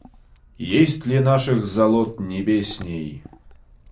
Есть ли наших золот небесней?